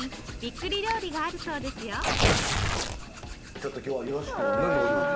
ちょっと今日はよろしくお願いします。